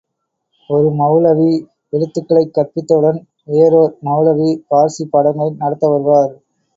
ஒரு மெளலவி எழுத்துக்களைக் கற்பித்தவுடன் வேறோர் மெளலவி பார்சி பாடங்களை நடத்த வருவார்.